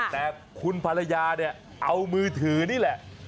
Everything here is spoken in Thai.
แต่คุณภรรยาเนี่ยเอามือถือนี่แหละ